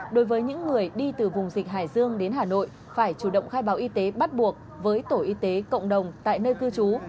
đối với những người đi từ vùng dịch hải dương đến hà nội phải chủ động khai báo y tế bắt buộc với tổ y tế cộng đồng tại nơi cư trú